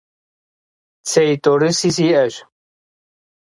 Цей тӀорыси сиӀэщ…